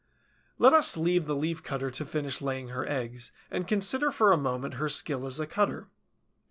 Let us leave the Leaf cutter to finish laying her eggs, and consider for a moment her skill as a cutter.